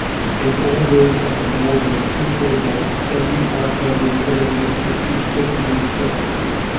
In all words of more than two syllables, every odd-numbered syllable receives secondary stress.